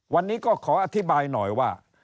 วันนี้ก็ขออธิบายหน่อยว่า